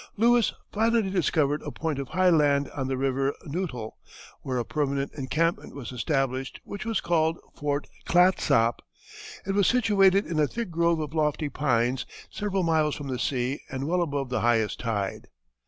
Lewis finally discovered a point of high land on the river Neutel, where a permanent encampment was established which was called Fort Clatsop. It was situated in a thick grove of lofty pines several miles from the sea and well above the highest tide.